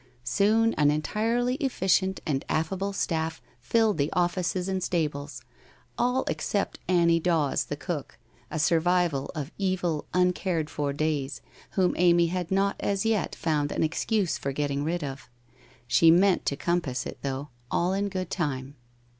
Soon an entirely efficient and affable staff filled the offices and stables, all except Annie Dawes, the cook — a survival of evil, uncared for days, whom Amy had not as yet found an excuse for getting rid of. She meant to compass it, though, all in good time.